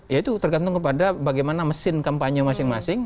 ya itu tergantung kepada bagaimana mesin kampanye masing masing